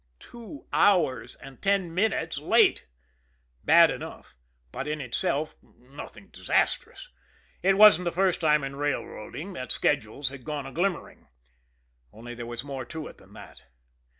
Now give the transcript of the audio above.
Two hours and ten minutes late! Bad enough; but, in itself, nothing disastrous. It wasn't the first time in railroading that schedules had gone aglimmering. Only there was more to it than that.